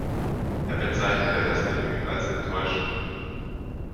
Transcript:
Er bezeichnete das Debüt als enttäuschend.